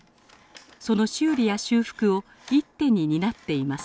その修理や修復を一手に担っています。